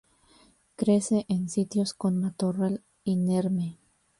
Crece en sitios con matorral inerme.